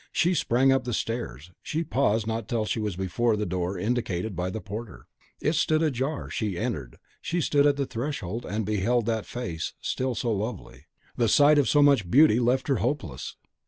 She sprang up the stairs; she paused not till she was before the door indicated by the porter; it stood ajar, she entered, she stood at the threshold, and beheld that face, still so lovely! The sight of so much beauty left her hopeless.